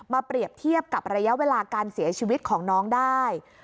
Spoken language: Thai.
เปรียบเทียบกับระยะเวลาการเสียชีวิตของน้องได้